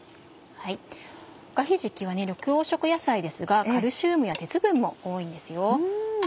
おかひじきは緑黄色野菜ですがカルシウムや鉄分も多いんですよ。